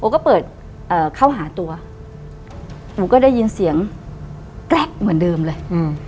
ก็เปิดเข้าหาตัวหนูก็ได้ยินเสียงแกรกเหมือนเดิมเลย